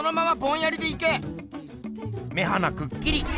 目鼻くっきり。